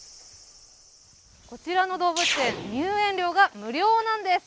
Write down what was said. こちらの動物園、入園料が無料なんです。